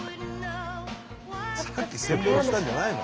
さっきせんべろしたんじゃないの？